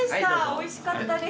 おいしかったです。